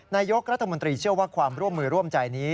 นายกรัฐมนตรีเชื่อว่าความร่วมมือร่วมใจนี้